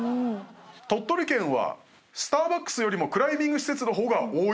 鳥取県はスターバックスよりもクライミング施設の方が多いっていうのが。